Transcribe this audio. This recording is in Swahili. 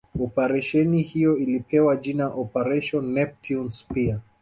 Operesheni hiyo ilipewa jina Operation Neptune Spear